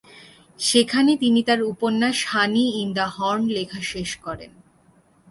সেখানে তিনি তার উপন্যাস "হানি ইন দ্য হর্ন" লেখা শেষ করেন।